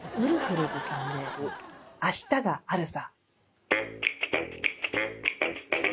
『明日があるさ』